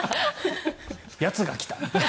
やつが来た。